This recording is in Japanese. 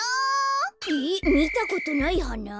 えっみたことないはな？